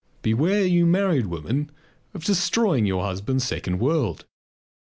Beware, you married women, of destroying your husband's second world!